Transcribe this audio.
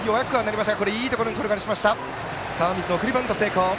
川満、送りバント成功。